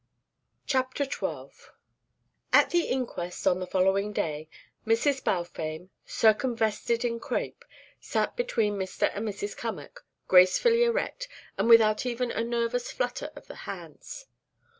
CHAPTER XII At the inquest on the following day, Mrs. Balfame, circumvested in crêpe, sat between Mr. and Mrs. Cummack, gracefully erect, and without even a nervous flutter of the hands.